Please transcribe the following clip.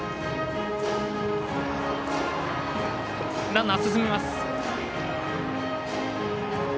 ランナー進みます。